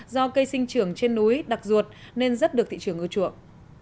do cây sinh trưởng trên núi đặc ruột nên rất được thị trường ưa chuộng